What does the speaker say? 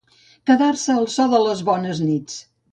Quedar-se al so de les bones nits.